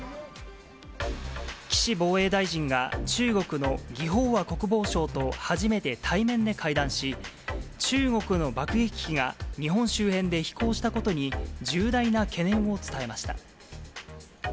岸防衛大臣が、中国の魏鳳和国防相と初めて対面で会談し、中国の爆撃機が日本周辺で飛行したことに重大な懸念を伝えました。